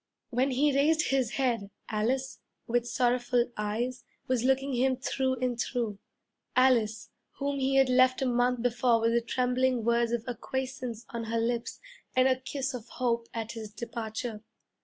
When he raised his head Alice, with sorrowful eyes, was looking him through and through Alice, whom he had left a month before with the trembling words of acquiescence on her lips and a kiss of hope at his departure.